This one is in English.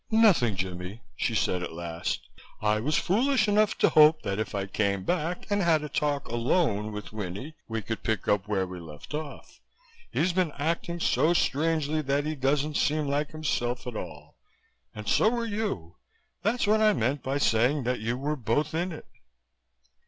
"Nothing, Jimmie," she said at last. "I was foolish enough to hope that if I came back and had a talk alone with Winnie, we could pick up where we left off. He's been acting so strangely that he doesn't seem like himself at all. And so are you. That's what I meant by saying that you were both in it."